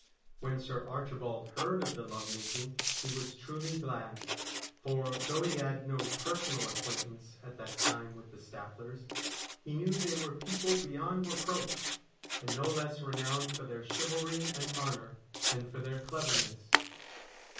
When Sir Archibald heard of the love making he was truly glad ; for, though he had no personal acquaintance at that time with the Stafflers, he knew they were people beyond reproach, and no less renowned for their chivalry and honour than for their cleverness.